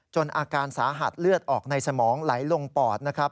อาการสาหัสเลือดออกในสมองไหลลงปอดนะครับ